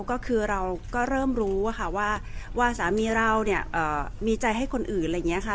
ก็คือเราก็เริ่มรู้ว่าสามีเราเนี่ยมีใจให้คนอื่นอะไรอย่างนี้ค่ะ